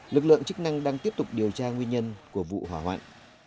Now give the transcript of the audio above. lực lượng chức năng đang tiếp tục điều tra nguyên nhân của vụ hỏa hoạn